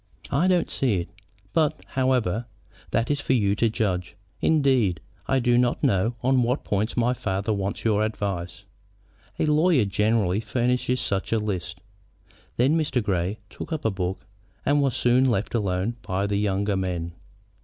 "I don't see it; but, however, that is for you to judge. Indeed, I do not know on what points my father wants your advice. A lawyer generally furnishes such a list." Then Mr. Grey took up a book, and was soon left alone by the younger men.